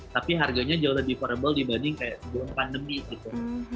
tapi harganya jauh lebih furable dibanding kayak sebelum pandemi gitu